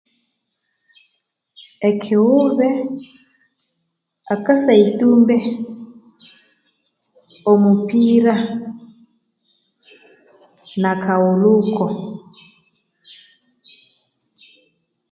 Ekyighube, akateitumbe, omupira, nakaghulhuko.